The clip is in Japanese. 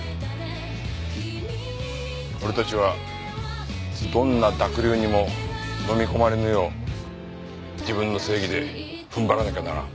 俺たちはどんな濁流にものみ込まれぬよう自分の正義で踏ん張らなきゃならん。